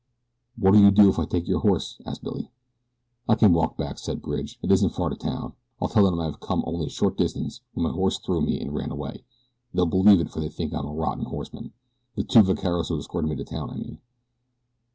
"What'll you do if I take your horse?" asked Billy. "I can walk back," said Bridge, "it isn't far to town. I'll tell them that I had come only a short distance when my horse threw me and ran away. They'll believe it for they think I'm a rotten horseman the two vaqueros who escorted me to town I mean."